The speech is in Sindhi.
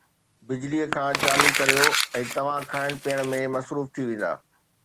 بجليءَ کي چالو ڪريو ۽ توهان کائڻ پيئڻ ۾ مصروف ٿي ويندا